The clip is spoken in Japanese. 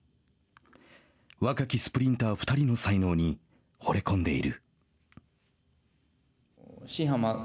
若きスプリンター２人の才能にほれ込んでいる。